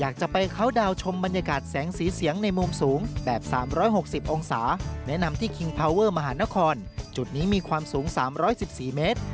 ก็ต้องเชื่อมหานครจุดนี้มีความสูง๓๑๔เมตร